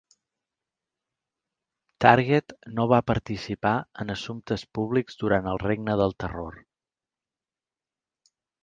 Target no va participar en assumptes públics durant el regne del terror.